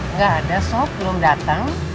nggak ada sob belum dateng